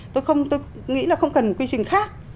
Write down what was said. tôi nghĩ là không cần quy trình khác